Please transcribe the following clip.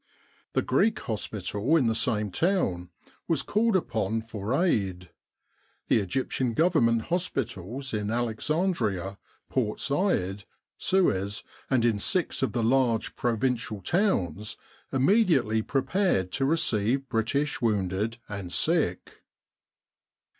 The Greek Hospital in the same town was called upon for aid. The Egyptian Government Hospitals in Alex andria, Port Said, Suez, and in six of the large pro vincial towns immediately prepared to receive British wounded and sick.